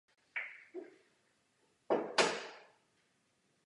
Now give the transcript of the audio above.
Krátce zápasil jako profesionál.